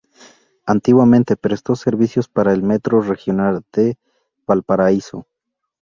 Antiguamente prestó servicios para el Metro Regional de Valparaíso.